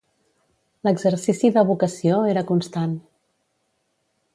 L'exercici d'evocació era constant.